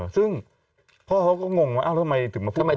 ซึ่งพ่อเขาก็งงว่าทำไมถึงมาพูดแบบนี้